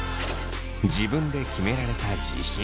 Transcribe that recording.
自分で決められた自信。